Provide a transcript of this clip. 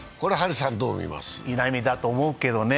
稲見だと思うけどね。